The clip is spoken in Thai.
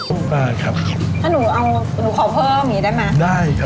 อืมครับถ้าหนูเอาหนูขอเพิ่มนี้ได้ไหมได้ครับ